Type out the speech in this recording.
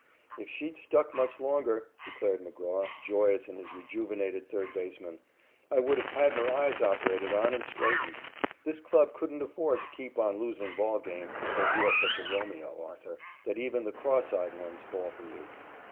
"If she'd stuck much longer," declared McGraw, joyous in his rejuvenated third baseman, "I would have had her eyes operated on and straightened. This club couldn't afford to keep on losing ball games because you are such a Romeo, Arthur, that even the cross eyed ones fall for you."